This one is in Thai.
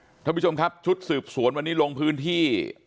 คุณผู้ชมครับชุดสืบสวนวันนี้ลงพื้นที่